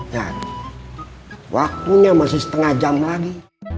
waktunya masih setengah jam lagi